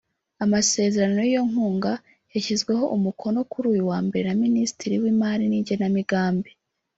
Amasezerano y’iyo nkunga yashyizweho umukono kuri uyu wa Mbere na Minisitiri w’Imari n’Igenamigambi